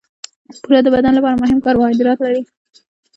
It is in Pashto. بوره د بدن لپاره مهم کاربوهایډریټ لري.